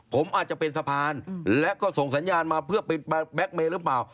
ผมอาจจะเป็นสะพานและก็ส่งสัญญาณมาเพื่อไปแบล็กเมย์หรือเปล่า